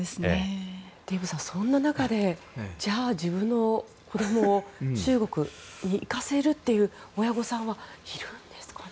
デーブさん、そんな中でじゃあ自分の子供を中国に行かせるという親御さんはいるんですかね。